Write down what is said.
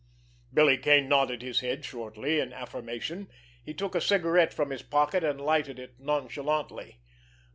Billy Kane nodded his head shortly in affirmation. He took a cigarette from his pocket, and lighted it nonchalantly.